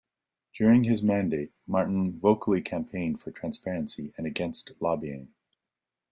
During his mandate Martin vocally campaigned for transparency and against lobbying.